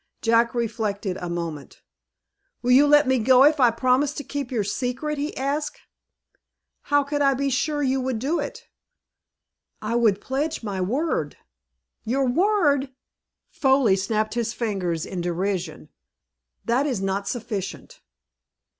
Jack reflected a moment. "Will you let me go if I will promise to keep your secret?" he asked. "How could I be sure you would do it?" "I would pledge my word." "Your word!" Foley snapped his fingers in derision. "That is not sufficient."